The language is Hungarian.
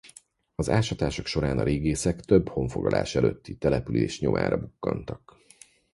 Az ásatások során a régészek több honfoglalás előtti település nyomára bukkantak.